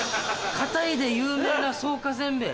かたいと有名草加せんべい